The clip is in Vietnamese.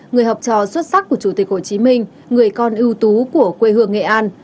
người học trò xuất sắc của chủ tịch hồ chí minh người con ưu tú của quê hương nghệ an